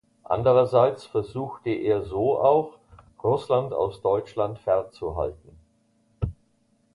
Andererseits versuchte er so auch, Russland aus Deutschland fernzuhalten.